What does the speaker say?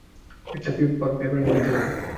একটা pepperoni pizza খাব!